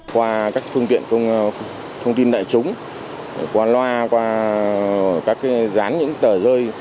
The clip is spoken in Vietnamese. qua các thông tin đại chúng qua loa qua các gián những tờ rơi